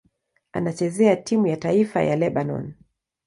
Anachezea timu ya taifa ya Lebanoni.